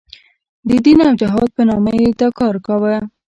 د دین او جهاد په نامه یې دا کار کاوه.